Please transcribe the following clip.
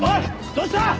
どうした！？